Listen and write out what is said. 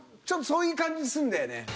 ちょっとそういう感じすんだよね。